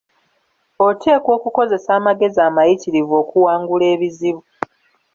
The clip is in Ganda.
Oteekwa okukoseza amagezi amayitirivu okuwangula ebizibu.